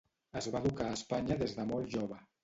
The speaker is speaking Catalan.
Es va educar a Espanya des de molt jove.